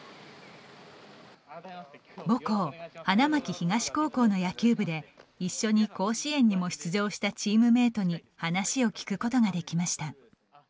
母校花巻東高校の野球部で一緒に甲子園にも出場したチームメートに話を聞くことができました。